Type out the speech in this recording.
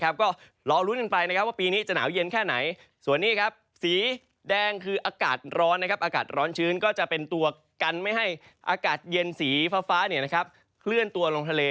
ก็รอลุ้นกันไปนะครับว่าปีนี้จะหนาวเย็นแค่ไหนส่วนนี้ครับสีแดงคืออากาศร้อนอากาศร้อนชื้นก็จะเป็นตัวกันไม่ให้อากาศเย็นสีฟ้าเคลื่อนตัวลงทะเล